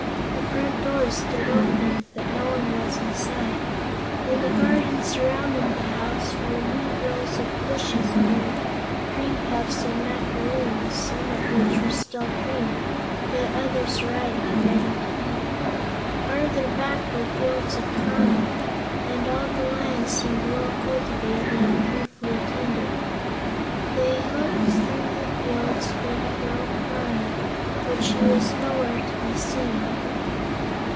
The front door stood open, but no one was inside. In the garden surrounding the house were neat rows of bushes bearing cream puffs and macaroons, some of which were still green, but others ripe and ready to eat. Farther back were fields of caramels, and all the land seemed well cultivated and carefully tended. They looked through the fields for the girl farmer, but she was nowhere to be seen.